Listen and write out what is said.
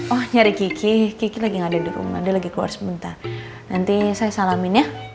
oh nyari kiki kiki lagi ada di rumah dia lagi keluar sebentar nanti saya salamin ya